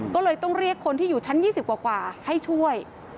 ก็เลยต้องเรียกคนที่อยู่ชั้น๒๐กว่าให้ช่วย